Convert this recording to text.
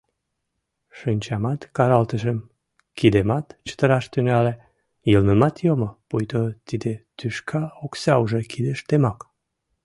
Шинчамат каралтышым, кидемат чытыраш тӱҥале, йылмемат йомо, пуйто тиде тӱшка окса уже кидыштемак.